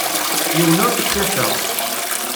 Yiwen ur t-kkateɣ.